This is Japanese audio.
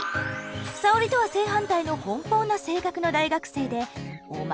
沙織とは正反対の奔放な性格の大学生でおまけに。